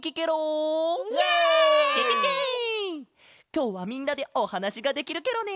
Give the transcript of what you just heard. きょうはみんなでおはなしができるケロね。